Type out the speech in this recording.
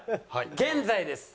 現在です。